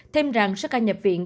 thêm rằng sức ca nhập viện